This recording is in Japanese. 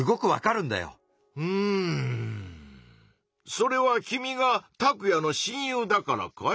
それは君がタクヤの「親友」だからかい？